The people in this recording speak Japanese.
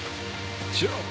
じゃあ。